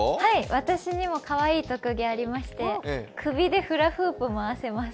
私にもかわいい特技がありまして、首でフラフープ回せます。